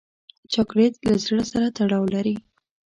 چاکلېټ له زړه سره تړاو لري.